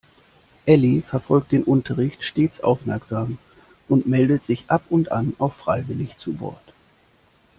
Elli verfolgt den Unterricht stets aufmerksam und meldet sich ab und an auch freiwillig zu Wort.